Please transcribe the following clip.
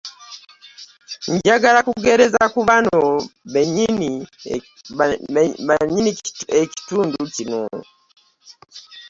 Njagala kugereza ku bano bennyini ekintu kino.